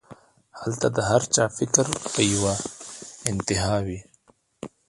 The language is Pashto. هلته د هر چا فکر پۀ يوه انتها وي